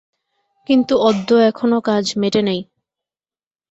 কিন্তু অদ্য এখনও কাজ মেটে নাই।